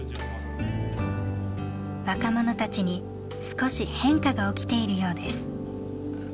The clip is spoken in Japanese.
若者たちに少し変化が起きているようです。